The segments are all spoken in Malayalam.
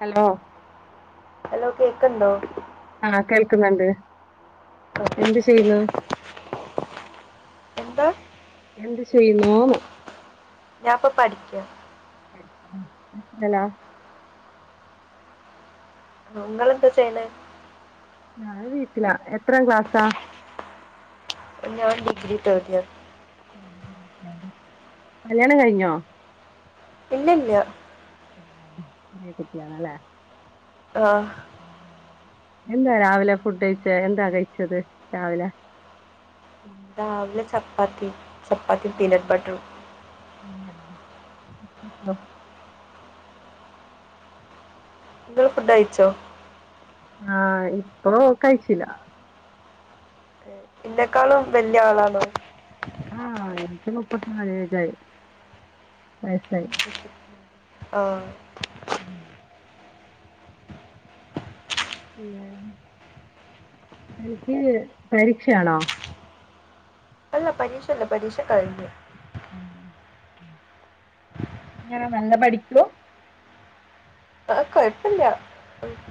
ഹലോ ഹലോ കേക്ക്ണ്ടോ ആഹ കേൾക്കുന്നുണ്ട് ആ, എന്ത് ചെയ്യുന്നു എന്താ എന്ത് ചെയ്യുന്നൂന്ന ഞാ ഇപ്പ പഠിക്ക എന്തല്ല നിങ്ങളെന്താ ചെയ്യണെ ഞ വീട്ടിലാ എത്ര ക്ലാസ്സാ ഞാൻ ഡിഗ്രി തേർഡ് ഇയർ കല്യാണം കഴിഞ്ഞോ ഇല്ലല്ല്യ നറയേ കുട്ട്യേളാല്ലെ ആഹ് എല്ലാ രാവിലെ ഫുഡ് കഴിച്ച എന്താ കഴിച്ചത് രാവിലെ രാവിലെ ചപ്പാത്തി ചപ്പാത്തി പീനട്ട് ബട്ടറും ഉം അ നിങ്ങൾ ഫുഡ് അയച്ചോ ആഹ ഇപ്പൊ കഴിച്ചീല എന്നന്നെക്കാളും വല്ല്യ ആളാണോ ആഹ എനിക്കി മുപ്പത്തിനാല് ഏജായി വയസായി ആഹ് ഉം പിന്നെ തനിക്ക് പരീക്ഷയാണോ അല്ല പരീക്ഷല്ല പരീക്ഷ കഴിഞ്ഞു ഞാൻ നല്ല പഠിക്കൂ കൊഴപ്പില്ല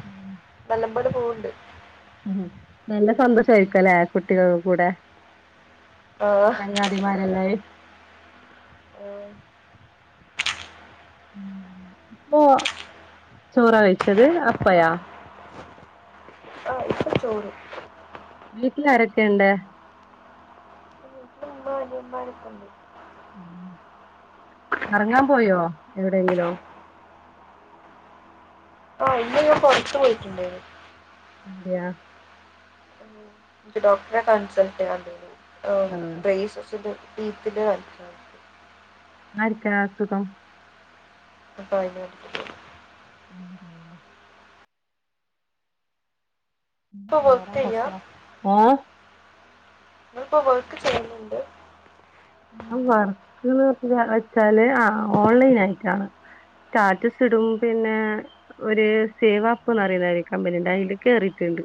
ഉം നല്ലം പോലെ പോവണ്ട് ഉ നല്ല സന്തോഷ ആയിരിക്കും ലീ കുട്ടികൾ കൂടെ ആ ചങ്ങാതിമാരെല്ലായി ആ, ഇപ്പോ ചോറ കയിച്ചത് അപ്പയാ ആ ഇപ്പൊ ചോറ് വീട്ടിലാരൊക്കെ ഇണ്ട് വീട്ടിലും ഉമ്മ അനിയന്മാരൊക്കെ ഉണ്ട് ഉം കറങ്ങാ പോയോ എവിടെയെങ്കിലും നിങ പുറത്തു പോയിട്ടുണ്ടായിന് എവിടെയാ ഡോക്ടറെ കൻസൽട്ട് ചെയ്യാണ്ടായി നി ആഹ് ഡ്ര യ്യ്സ്സ്സിൻ്റ ബി [inaudible] ഫിനാ ന്ന് ആർക്ക അസുഖം [unintelligible] ഉന്ന ഇപ്പോൾ വേറെ വർക്ക് എന്താക്ക ചെയ്യാം ആഹ നമ്മിപ്പോ വെർക്ക് ചെയ്യുന്നുണ്ട് ഞാൻ വർക്ക്ന്ന് വെച്ചാല് ആ ഓൺലൈൻ ആയിട്ടാണ് സ്റ്റാറ്റസ് ഇടും പിന്നെ ഒരു സേവ് ആപ്പ്ന്ന് പറയുന്ന ഒരു കമ്പനീണ്ട്. അതിൽ കേറിട്ടുണ്ട്.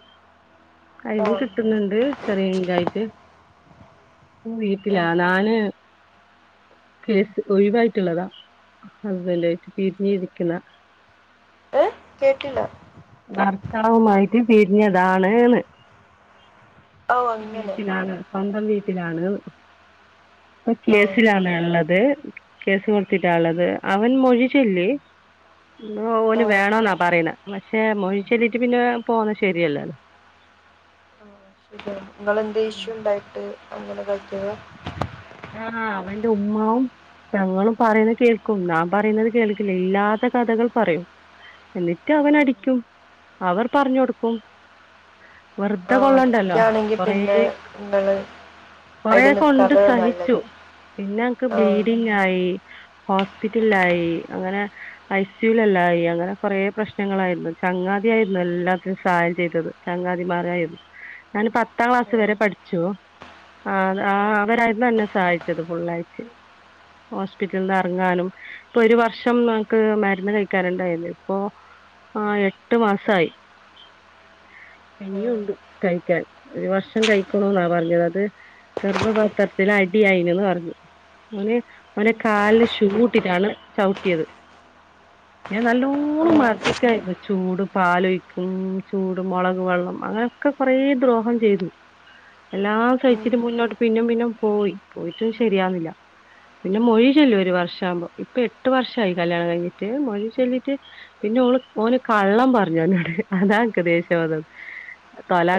ആ അതിന്നും അങ്ങനെ കിട്ടുന്നുണ്ട് ചെറിയ ഇൻകായിട്ട് ഉം, വീട്ടിലാ ഞാന് കേസ് ഒഴിവായിട്ടുള്ളതാ ഹസ്ബൻഡ് ആയിട്ട് ഉം. പിരിഞ്ഞിയിരിക്കുന്നത ഏ കേട്ടില്ല ഭർത്താവുമായിട്ട് പിരിഞ്ഞതാണ്ന്ന് ഓ ഇപ്പൊ അങ്ങനെ വീട്ടിലാണ് സ്വന്തം വീട്ടിലാണ്ന്ന് ഇപ്പൊ ആ കേസിലാണ് ഉള്ളത്. അത് കേസ് കൊടുത്തിട്ടാ ഉള്ളത്. അവൻ മൊഴിചൊല്ലി ആ ഓന് വേണന്നാ പറയുന്നെ പക്ഷേ മോഹി ചെല്ലീട്ട് പിന്നെ പോവന്ന് ശരിയല്ല ശ നിങ്ങളന്ത ഇഷു ഉണ്ടായിട്ട് അങ്ങന ആക്കിയത ആഹ് അവന്റെ ഉമ്മാവും ഞങ്ങളും പറയുന്നത് കേൾക്കും ൻ പറയുന്നത് കേൾക്കില്ല ഇല്ലാത്ത കഥകൾ പറയും എന്നിട്ട് ആ, അവൻടിക്കും അവർ പറഞ്ഞു കൊടുക്കും ആ വെറുതെ ഇ കൊള്ളണ്ടല്ലോ അടിക്കുകയാണെങ്കിൽ കൊറ പിന്നെ നിങ്ങൾ അതിൽ കൊറേക്കെ ഉണ്ട് നിൽക്കാത്തത് സഹി നല്ലത് പിന്നെക്ക് ആ ബ്ലീഡിങ് ആയി ഹോസ്പിറ്റലായി അങ്ങനെ ഐസി യുലല്ലായി അങ്ങനെ കൊറേ പ്രശ്നങ്ങളായിരുന്നു ചങ്ങ ആയിരുന്നു എല്ലാത്തിനും സഹായം ചെയ്തത് ചങ്ങാതിമാരയിരുന്നു ഞാൻ പത്താം ആ, ക്ലാസ് വരെ ആ, പഠിച്ചുവോ ആ ആ അവരായിരുന്നു തന്നെ സഹായിച്ചത് ഫുള്ളായിട്ട് ഹോസ്പിറ്റലിൽ നിന്ന് ഇറങ്ങാനും ഇപ്പൊ ഒരു വർഷം നമ്മുക്ക് മരുന്ന് കഴിക്കാനുണ്ടായിരുന്നു ഇപ്പൊ ആ എട്ടു മാസയി ആ, ഇനിയുണ്ട് കഴിക്കാൻ ഒരു വർഷം കഴിക്കണം എന്നാ പറഞ്ഞത് അത് ഗർഭപാത്രത്തില അടിയായിനന്ന് പറഞ്ഞു നെ അവനെ കാലില് ഷൂ ഇട്ടിട്ടാണ് ചവിട്ടിയത് ഞാൻ ആ, ആ, നല്ലോണ്ണം മർദ്ദിക്കായിരുന്നു ചൂട് പാലൊഴിക്കും ചൂട് മുളക് വെള്ളം അങ്ങനെ ഒക്കെ കൊറ ദ്രോഹം ചെയ്തു എല്ലാം ഉം, സഹിച്ചിട്ട് മുന്നോട്ട് പിന്നും പിന്നും പോയി പോയിട്ടും ശരിയാവുന്നില്ല പിന്നെ മൊഴിചെല്ലും ഒരു വർഷമാ ആക്പോ ഇപ്പൊ എട്ട് വർഷമായി കല്യാണം കഴിഞ്ഞിട്ട് മൊഴിചെല്ലിട്ട് പിന്നെ ഓള് ഓന് കള്ളം പറഞ്ഞു എന്നോട് അതാക്ക് ഇക്ക് ദേഷ്യം വന്നത്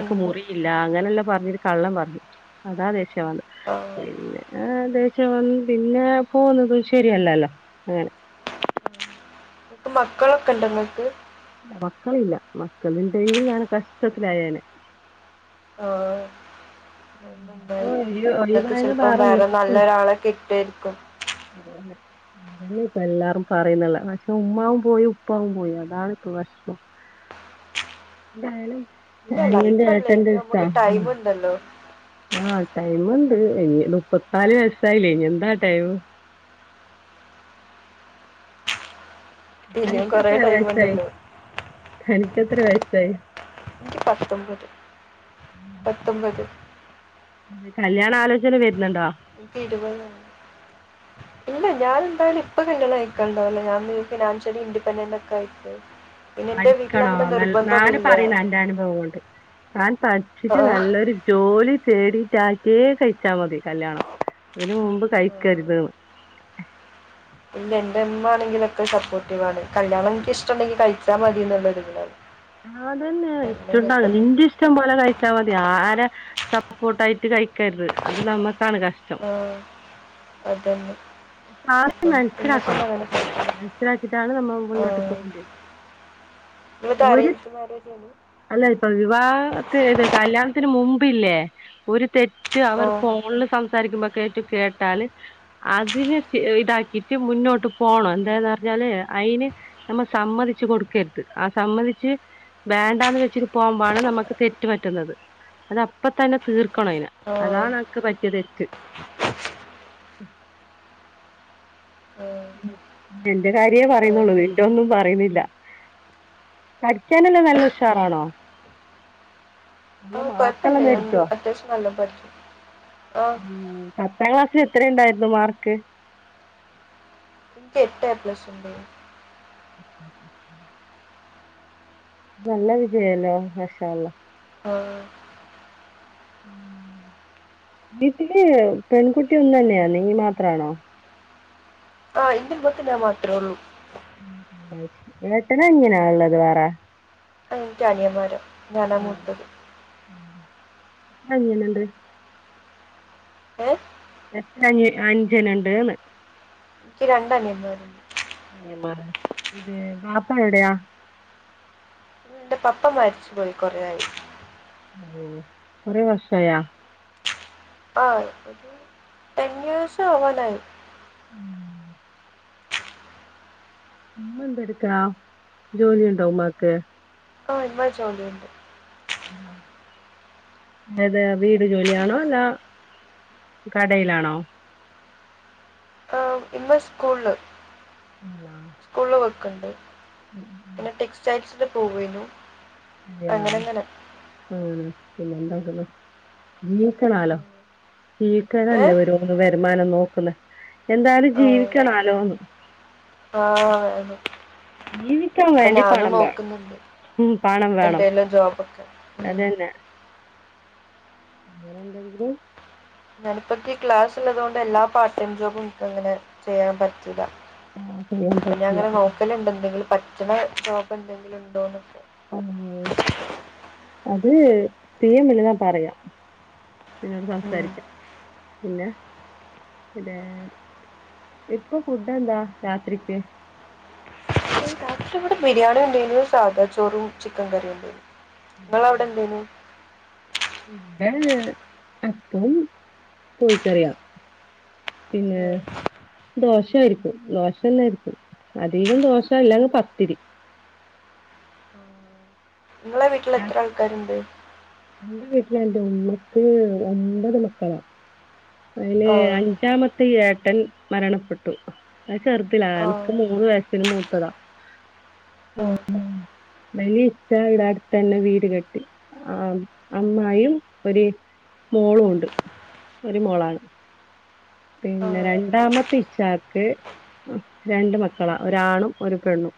ഉം, മുറിയില്ല അങ്ങനെ എല്ലാം പറഞ്ഞരു കള്ളം പറഞ്ഞു അതാ ദേഷ്യം വന്നത് ആ പിന്നെ ആ ദേഷ്യം വന്ന് പിന്നെ പോകുന്നതും ശരിയല്ലല്ലോ അങ്ങനെ ഇപ്പ മക്കളൊക്കെ ഇണ്ട് നിങ്ങക്ക് മക്കള ഇല്ല മക്കളുണ്ടെങ്കിലും ഞൻ കഷ്ടത്തിലായേനെ ആഹ് ഭയ ചിലപ്പം വേറെ പാറന്നോക്ക നല്ലൊരാളെ കിട്ടുമായിരിക്കും അന്നെ അതല്ലേ ഇപ്പ എല്ലാരും പറയുന്നള്ള പക്ഷെ ഉമ്മാവും പോയി ഉപ്പാവും പോയി അതാണിപ്പെ വിഷമം എന്തായാലും ഇല്ല ഇനി എന്റെ ലൈഫല്ലേ ഇനി ഏട്ടന്റെ ഇഷ്ടാ നമുക്ക് ടൈം ഉണ്ടല്ലോ ആഹ് ടൈമുണ്ട് ഇനി മുപ്പത്തിനാല് വയസായില്ലേ ഇനി എന്താ ടൈം ഇനിയും അനക്ക് കുറേ എത്ര ടൈം വയസായി ഉണ്ടല്ലോ അനക്ക് എത്ര വയസായി എനിക്ക് പത്തൊൻമ്പത് പത്തൊപത് കല്യാണ ആലോചന വരുന്നുണ്ടോ ഇടുപലാണ് ഇല്ല ഞൻ എന്തായാലും ഇപ്പൊ കല്യാണം അയക്കാണ്ടാവുല്ല ഞാൻ ഫിനാൻഷ്യലി ഇൻഡിപെൻഡന്റ് ഒക്കെ ആയി പഠിക്കണോ ന ഞാൻ പറയുന്ന എന്റെ അനുഭവം കൊണ്ട് ഞാൻ ആ, പഠിച്ചിട്ട് നല്ലൊരു ജോലി വേടിച്ചിട്ടെ കഴിച്ചാ മതി കല്യാണം അതിന് മുമ്പ് ആ. കഴിക്കരുതന്ന് [inaudible] ഇല്ല എന്റെ ഉമ്മ ആണെങ്കിലൊക്കെ സപ്പോർട്ടീവാണ് കല്യാണം എനിക്ക് ഇഷ്ടം ഉണ്ടെങ്കിൽ കഴിച്ചാൽ മതിയെന്നുള്ള ഒരിതിലാണ് ആ അതന്നെയ ഇഷ്ടുണ്ടാ നിന്റെ ഇഷ്ടം പോലെ കഴിക്ക് ച്ചാൽ മതി ആരെ സപ്പോർട്ട ആയിട്ട് കഴിക്കരുത് അത് നമ്മുക്കാണ് കഷ്ടം [inaudible] ആ. അതന്നെ ആദ്യം അപ്പം ഇന്നൊക്കെ മനസ്സിലാക്കണം അങ്ങനെ പോയി. അവരെ മനസിലാക്കി ഇതാണ് നമ്മ ആ മുന്നോട്ട് പോകേണ്ടത് ഇവത് ഒരു അറേഞ്ച് മാരേജ് ആണ് അല്ല ഇപ്പൊ വിവാഹത്തിത് കല്യാണത്തിന് മുമ്പ് ല്ലേ ഒരു തെറ്റ് ആ അവർ ഫോണിൽ സംസാരിക്കുമ്പോക്കെ കേട്ടാല് അ അതിനെ ഇതാക്കിട്ട് മുന്നോട്ട് പോണം എന്താെന്ന് പറഞ്ഞാല് അതിന് നമ്മൾ സമ്മതിച്ചു കൊടുക്ക രുത് ആ സംബന്ധിച്ച് വേണ്ടാന്ന് വെച്ചിട്ട് പോകുമ്പാണ് അത് അപ്പ തന്നെ തീർക്കണം. അതിനെ ആ അതാണ് എനിക്ക് പറ്റിയ തെറ്റ്. മ് ആ, എന്റെ കാര്യേ ആ. പറയുന്നുള്ളു നിൻ്റെ ഒന്നും പറയുന്നില്ല. പഠിക്കാനല്ലാം നല്ല ഉഷാറാണോ? നല്ല ആ കൊഴപ്പല്ല മാർക്കെല്ലാം മേടിക്കോ അത്യാവശ്യം നല്ല പഠിക്കും. ഉം പത്താം ക്ലാസ്സില് എത്ര ഉണ്ടായിരുന്നു മാർക്ക്. എനിക്ക് എട്ട് എ പ്ലസ് ഉണ്ട്. [unintelligible] നല്ല വിജയല്ലോ മാഷാ അള്ളാ ഹ് [inaudible] വീട്ടില് പെൺകുട്ടി ഒന്ന് തന്നെയാ നീ മാത്രമാണോ? ആഹ് ഇതിന് മൂത്ത ഞാൻ മാത്രമേ ഉള്ളൂ. ഏട്ടനാ അനിയനാ ഉള്ളത് വേറെ? എനിക്ക് അനിയന്മാര ഞാന മുത്തത്. അനിയൻ ഉണ്ട് ഏ എത്ര അനി അജനുണ്ട് എന്ന് എനിക്ക് രണ്ട് അനിയൻമാര് അനിയന്മാര് ഇത് വാപ്പ എവിടയാ? എന്റെ പപ്പ മരിച്ചുപോയി കുറെയായി. ഓ കൊറെ വർഷം ആയാ ആ ഒരു ടെൻ ഇയോർസ് ആവാനായി. ഉമ്മ എന്ത് എടുക്കാ ജോലിണ്ടോ ഉമ്മാക്ക്? ആഹ് ഉമ്മാ ജോലിയുണ്ട്. [inaudible] ഏത് വീട് ജോലിയാണോ അല്ല കടയിലാണോ? ആ ഉമ്മ സ്കൂളില് സ്കൂളില് വർക്കുണ്ട് പിന്നെ ടെക്സ്റ്റൈൽസിൽ പോവാരുന്നു അതെയാ ആഹ് പിന്നെ എന്താക്കുന്നു ജീക്കണാലോ ഏ ജീവക്കണല്ലേ ഒരു തീരുമാനം നോക്കുന്ന എന്തായാലും ജീവിക്കണലോന്ന് ആഹ് ജീവിക്കാൻ ഇപ്പൊ വേണ്ടി ഞാനും പണം വേണം നോക്കുന്നുണ്ട് ഉം പണം വേണം എന്തേലും ജോബ് ഒക്കെ ഉം അതന്നെ അങ്ങനെ എന്തെങ്കിലും. ഞാനിപ്പ ക്ലാസ് ഉള്ളത് കൊണ്ട് എല്ലാ പാർട്ട് ടൈം ജോബും എനിക്ക് അങ്ങനെ ചെയ്യാൻ പറ്റൂില്ല. ആഹ് ചെയ്യാൻ പിന്ന പറ്റില്ല അങ്ങനെ നോക്കലുണ്ട് എന്തെങ്കിലും പറ്റണ ജോബ് എന്തെങ്കിലും ഉണ്ടോന്ന്. ആഹ് അത് പിമ്മലിതാ പറയാം [inaudible] എന്നോട് ഉം. സംസാരിക്കാം പിന്നെ.. പിതെ ഇപ്പൊ ഫുഡ് എന്താ രാത്രിക്ക് [unintelligible] രാത്രി ഇവിടെ ബിരിയാണി ഉണ്ടരുന്നു. സാദാ ചോറും ചിക്കൻ കറിയും ഉണ്ടരുന്നു. നിങ്ങൾ അവിടെ എന്തെന്ന്. ഇവിടെ അപ്പോം കോയിക്കറിയാ പിന്നെ? ഉം. ദോശയിരിക്കും ദോശ തന്നായിരിക്കും അധികം ദോശല്ലങ്ങ് പത്തിരി, നിങ്ങളെ വീട്ടിൽ എത്ര ആൾക്കാരുണ്ട്? എന്റെ വീട്ടില എന്റെ ഉമ്മക്ക് ഒമ്പത് മക്കളാ അതിന് ആ അഞ്ചാമത്തെ ഏട്ടൻ മരണപ്പെട്ടു അ ചെറുതല്ല ആ എനക്ക് മൂന്ന് വയസിന് മൂത്തതാ ആ വലിയ ഇ്ട ഇടെ അടുത്ത് തന്നെ വീട് കെട്ടി ആ അമ്മമയും ഒരു മോളുണ്ട് ഒരു മോളാണ് ആ ആ പിന്നെ രണ്ടാമത്തെ ഇഷ ചച്ചാക്ക് രണ്ട് മക്കളാ ഒരാണും ഒരു പെണ്ണും.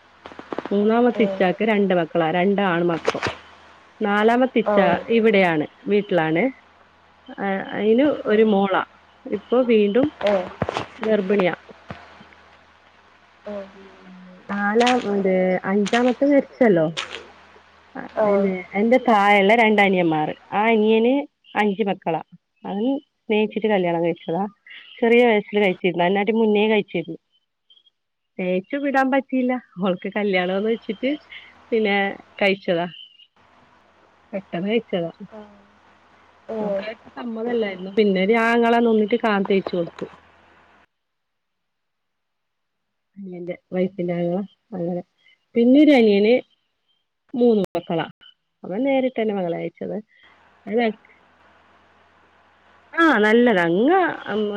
മൂന്നാമത്തെ ഏ ഇച്ചാക്ക് രണ്ട് മക്കളാ രണ്ട ആണ് മക്കൾ നാലാമത്തെ ആ ഇച്ച ഇവിടെയാണ് വീട്ടിലാണ് ആ അതിന് ആ ഒരു മോള വീണ്ടും ഏ ഗർഭിണിയ ഉം. നാലാം അഞ്ചാമത്തെ മരിച്ചല്ലോ ആ അതെ എന്റെ തായഴുള്ള രണ്ട അനിയന്മാർ ആ അനിയന് അഞ്ച മക്കളാ അന് സ്നേഹിച്ചിട്ട് കല്യാണം താ ചെറിയ വയസിൽ കഴിച്ചിരുന്നു അട്ടി മുന്നേ കഴിച്ചിരുന്നു തേച്ചു വിടാൻ പറ്റിയില്ല അവൾക്ക് കല്യാണംമന്ന് വെച്ചിട്ട് പിന്നെ കഴിച്ചതാ പെട്ടെന്ന് കഴിച്ചതാ ആ ഓ ഓർക്കായി സമ്മതല്ലായിരുന്നു പിന്നെര് ങ്ങളന്നൊന്നിട്ട് കാണൻ തേയ്ച്ചു കൊടുത്തു [unintelligible] അനിയന്റെ വൈഫിന്റെണോ അങ്ങനെ പിന്നരു അനിയന് മൂന്ന് മക്കളാ അ നേരിട്ട്ന്നെ മകള അയച്ചത് അത ആഹ നല്ലതങ്ങ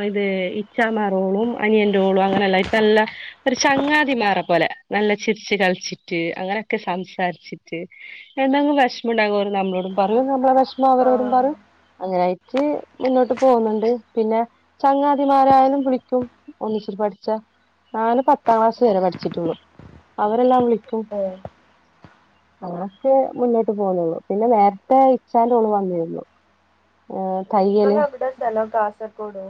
ഇത് ഇച്ചാമാ റോളും അനിയൻറോളും അങ്ങനെ എല്ലട്ട് നല്ല ഒരു ചങ്ങാതിമാറെ പോലെ നല്ല ചിരിച്ച് കളിച്ചിട്ട് അങ്ങനെയൊക്കെ സംസാരിച്ചിട്ട് എന്തെങ്കും വിഷമം ഉണ്ടാകും നമ്മളോടും പറു നമ്മളെ വിഷമം ആ അവരോടും പറയും അങ്ങനൊയിട്ട് മുന്നോട്ട് പോകുന്നുണ്ട് പിന്നെ ചങ്ങാതിമാരായാലും വിളിക്കും ഒന്നിച്ചിരി പഠിച്ച ഞാന് പത്താം ക്ലാസ് വരെ പഠിച്ചിട്ടുള്ളൂ അവരെല്ലാം വിള ഓ അക്കെ മുന്നോട്ട് പോന്നുള്ളു പിന്നെ നേരത്തെ ഇച്ചാല ഒണ് വന്നിരുന്നു. [inaudible] ആഹ [unintelligible] ഇങ്ങൊ അവിടെ സ്ഥലം കാസർഗോഡോ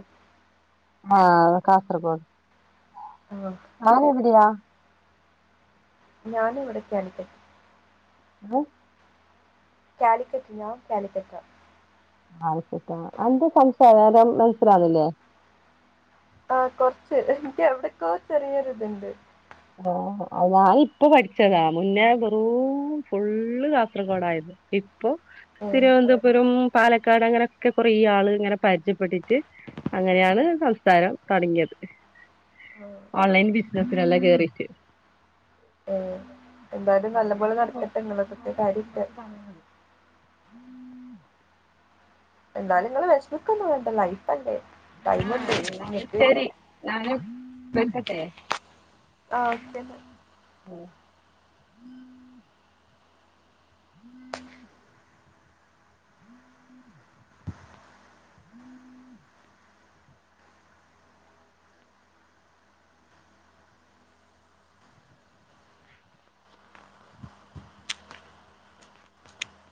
ആഹ കാസർഗോഡ് ആ ആരെവിടെിയാ ഞാന ഇവിടെ ണിക്കട്ട [inaudible] ഹ [unintelligible] കാലിക്കറ്റിന കാലിക്കറ്റ ആച്ചട്ടാ എന്റെ സംശയം വോല മനസിലാവാവില്ലേ ആഹ കൊറച്ച് എനിക്ക് എവിടക്കോ ചെറിയൊരി ഇതുണ്ട് ആഹ ഞൻ ഇപ്പ പഠിച്ചതാ മുന്നേ ബെറും ഫുള്ള് കാസർഗോഡ ആയിരുന്നു ഇപ്പൊ ഏ തിരുവനന്തപുരം പാലക്കാട് അങ്ങനെയൊക്കെ കൊറ ഈ ആള് ഇങ്ങനെ പരിചയപ്പെട്ടിട്ട് അങ്ങനെയാണ് സംസാരം തുടങ്ങിയത് ആ, ഓൺലൈൻ ബിസിനസിനല്ല കേറി ക്കെ ഏ [unintelligible] എന്തായാലും നല്ല പോോലെ നടത്തിട്ടെ നിങ്ങക്കത്തെ കാര്യക്കെ എന്താലും നിങ്ങള് വിശമക്കൊന്നും വേണ്ട ലൈഫല്ലേ ആഹ ടൈമുണ്ട് എല്ലാലും നിങ്ങൾക്ക് ശരി നാനക്കത്തെ ആ ഓക്കെ ആഹ ഉം ഉം ഉം